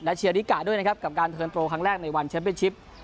และเชียริกาด้วยนะครับกับการเทินโตครั้งแรกในวันเชิมเป็นชิป